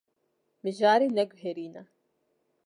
Mijarê neguherîne.